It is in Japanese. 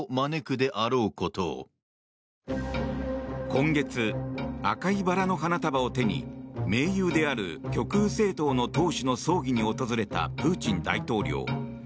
今月、赤いバラの花束を手に盟友である極右政党の党首の葬儀に訪れたプーチン大統領。